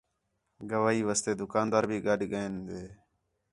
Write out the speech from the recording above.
گواہی واسطے دُکاندار بھی گݙ کین ݙے